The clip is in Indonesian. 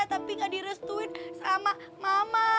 tapi gak direstuin sama mama